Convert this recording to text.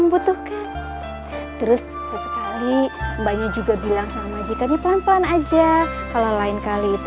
dibutuhkan terus sesekali banyak juga bilang sama jika di pelan pelan aja kalau lain kali itu